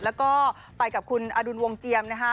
แล้วก็ไปกับคุณอดุลวงเจียมนะคะ